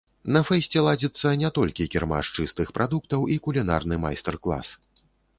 На фэсце ладзіцца не толькі кірмаш чыстых прадуктаў і кулінарны майстар-клас.